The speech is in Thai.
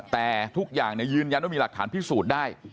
แต่ทุกอย่างยืนยันว่ามีหลักฐานพิสูจน์ได้